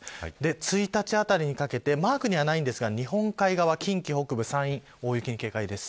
１日あたりにかけてマークにはないんですが日本海側、近畿北部、山陰大雪に警戒が必要です。